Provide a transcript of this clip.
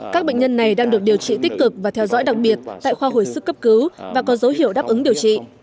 các bệnh nhân này đang được điều trị tích cực và theo dõi đặc biệt tại khoa hồi sức cấp cứu và có dấu hiệu đáp ứng điều trị